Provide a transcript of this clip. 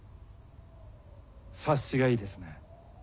察しがいいですね。